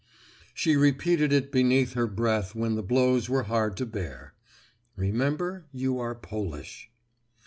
She repeated it beneath her breath when the blows were hard to bear, "Remember, you are Polish."